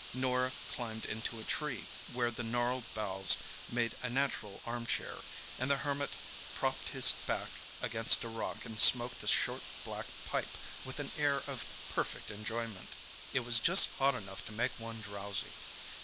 Norah climbed into a tree, where the gnarled boughs made a natural arm chair, and the Hermit propped his back against a rock and smoked a short black pipe with an air of perfect enjoyment. It was just hot enough to make one drowsy.